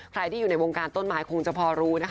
ที่อยู่ในวงการต้นไม้คงจะพอรู้นะคะ